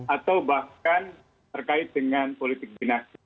atau bahkan terkait dengan politik dinasti